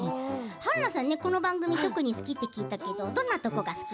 春菜さん、この番組特に好きって聞いたけどどんなところが好き？